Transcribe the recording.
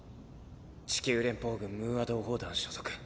地球連邦軍ムーア同胞団所属。